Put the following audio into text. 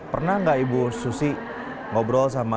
pernah nggak ibu susi ngobrol sama ibu sulami